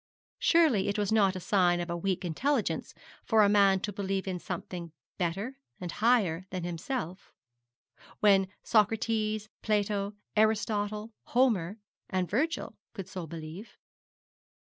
Surely it was not a sign of a weak intelligence for a man to believe in something better and higher than himself, when Socrates, Plato, Aristotle, Homer, and Virgil could so believe.